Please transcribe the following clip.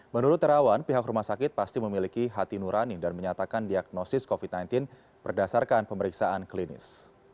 menurut terawan pihak rumah sakit pasti memiliki hati nurani dan menyatakan diagnosis covid sembilan belas berdasarkan pemeriksaan klinis